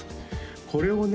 これをね